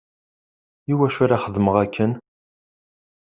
Iwacu ara xedmeɣ akken?